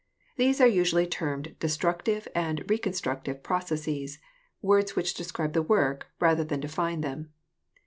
These are usually termed destructive and reconstructive processes, words which describe the work rather than define them.